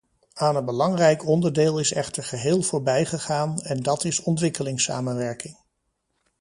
Aan een belangrijk onderdeel is echter geheel voorbijgegaan, en dat is ontwikkelingssamenwerking.